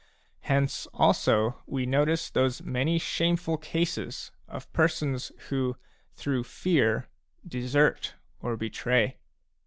Hence, also, we notice those many shameful cases of persons who, through fear, desert or betray.